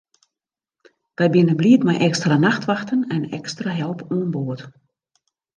Wy binne bliid mei ekstra nachtwachten en ekstra help oan board.